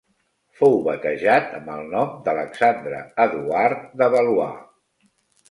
Fou batejat amb el nom d'Alexandre Eduard de Valois.